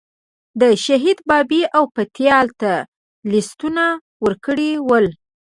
د شهید بابی او پتیال ته لیستونه ورکړي ول.